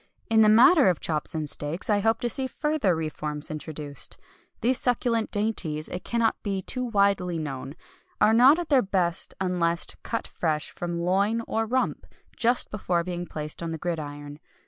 In the matter of chops and steaks I hope to see further reforms introduced. These succulent dainties, it cannot be too widely known, are not at their best unless cut fresh from loin or rump, just before being placed on the gridiron.